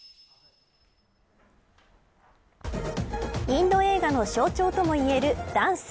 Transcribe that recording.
インド映画の象徴ともいえるダンス。